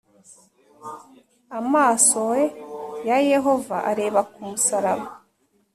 Amasoe ya Yehova areba ku musaraba